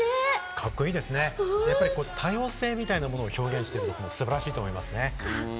カッコいいですね、多様性みたいなものを表現していて素晴らしいと思いますね。